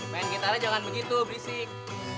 main gitarnya jangan begitu berisik